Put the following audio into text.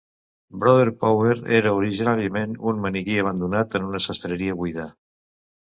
Brother Power era originalment un maniquí abandonat en una sastreria buida.